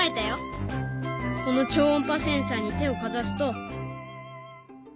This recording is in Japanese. この超音波センサーに手をかざすと。